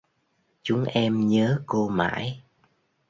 Chúng em nhớ cô mãi